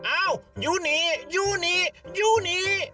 อ้าวยูนียูนียูนี